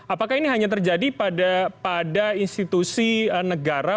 apakah ini hanya terjadi pada institusi negara